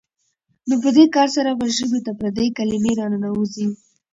نو په دې کار سره به ژبې ته پردۍ کلمې راننوځي.